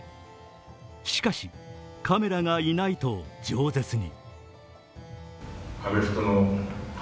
しかし、カメラがいないとじょう舌に。